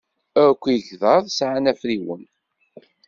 Akk igḍaḍ sɛan afriwen.